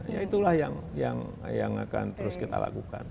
ya itulah yang akan terus kita lakukan